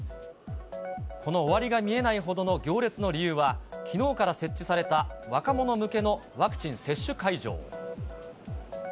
この終わりが見えないほどの行列の理由は、きのうから設置された若者向けのワクチン接種会場。